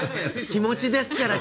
気持ちですから。